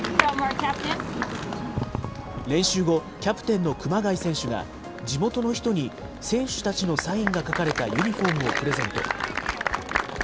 練習後、キャプテンの熊谷選手が、地元の人に選手たちのサインが書かれたユニホームをプレゼント。